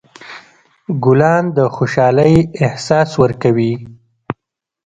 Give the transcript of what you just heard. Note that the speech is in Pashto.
ګلان د خوشحالۍ احساس ورکوي.